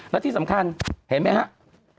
และที่สำคัญเห็นไหมครับ